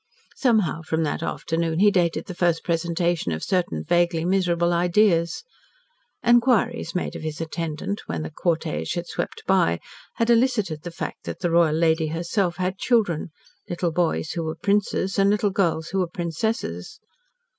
Somehow from that afternoon he dated the first presentation of certain vaguely miserable ideas. Inquiries made of his attendant, when the cortege had swept by, had elicited the fact that the Royal Lady herself had children little boys who were princes and little girls who were princesses.